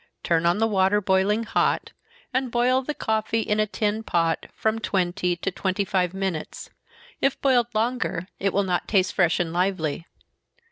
Turn on the water boiling hot, and boil the coffee in a tin pot, from twenty to twenty five minutes if boiled longer, it will not taste fresh and lively.